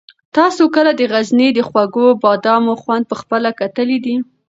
تاسو کله د غزني د خوږو بادامو خوند په خپله کتلی دی؟